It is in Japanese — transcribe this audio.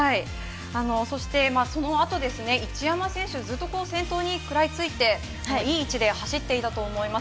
そしてそのあと、一山選手ずっと先頭に食らいついて、いい位置で走っていたと思います。